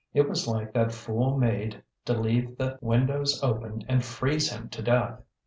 It was like that fool maid to leave the windows open and freeze him to death!